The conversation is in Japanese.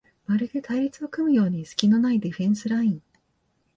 まるで隊列を組むようにすきのないディフェンスライン